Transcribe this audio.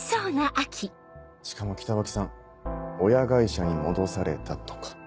しかも北脇さん親会社に戻されたとか。